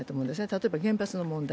例えば原発の問題。